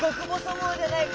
もうじゃないか。